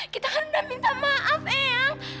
kita kan udah minta maaf eang